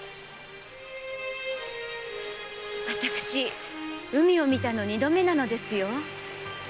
私海を見たの二度目なのですよ。